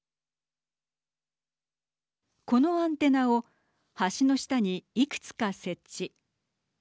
このアンテナを橋の下にいくつか設置。